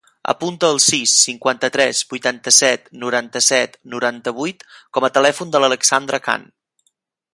Apunta el sis, cinquanta-tres, vuitanta-set, noranta-set, noranta-vuit com a telèfon de l'Alexandra Khan.